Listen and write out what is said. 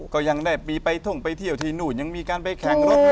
ก็ยังได้ไปท่งไปเที่ยวที่นู่นยังมีการไปแข่งรถ